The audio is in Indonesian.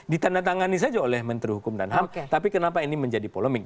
ditandatangani saja oleh menteri hukum dan ham tapi kenapa ini menjadi polemik